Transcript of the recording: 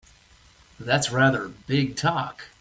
That's rather big talk!